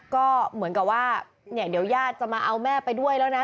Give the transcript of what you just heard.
ก็เหมือนกับว่าเนี่ยเดี๋ยวญาติจะมาเอาแม่ไปด้วยแล้วนะ